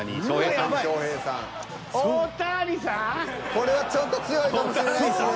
これはちょっと強いかもしれないですね。